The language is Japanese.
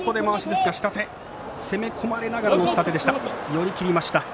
寄り切りました。